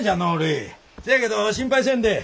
せやけど心配せんでええ。